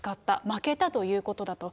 負けたということだと。